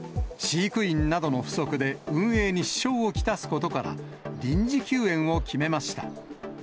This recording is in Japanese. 飼育員などの不足で、運営に支障を来すことから、臨時休園を決めました。